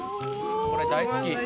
これ大好き。